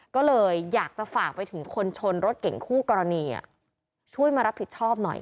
ก็เลยอยากจะฝากไปถึงคนชนรถเก่งคู่กรณีช่วยมารับผิดชอบหน่อย